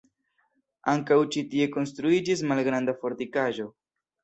Ankaŭ ĉi tie konstruiĝis malgranda fortikaĵo.